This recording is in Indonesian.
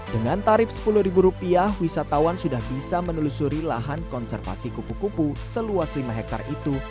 dengan tarif sepuluh rupiah wisatawan sudah bisa menelusuri lahan konservasi kupu kupu seluas lima hektare itu